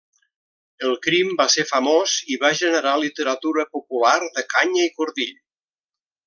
El crim va ser famós i va generar literatura popular de canya i cordill.